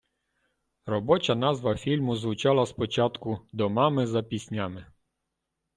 Робоча назва фільму звучала спочатку "До мами за піснями".